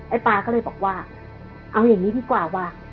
ปลาก็เลยบอกว่าเอาอย่างนี้ดีกว่าว่ะ